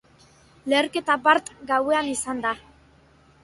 Leherketa bart gauean izan da.